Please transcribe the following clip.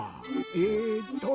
えっと